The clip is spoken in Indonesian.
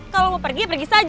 kalau mau pergi ya pergi saja